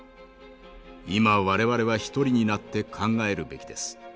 今我々は一人になって考えるべきです。